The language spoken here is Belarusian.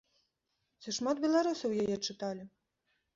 Ці шмат беларусаў яе чыталі?